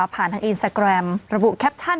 พี่ปั๊ดเดี๋ยวมาที่ร้องให้